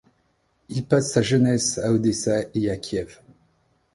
Il passe sa jeunesse à Odessa et à Kiev.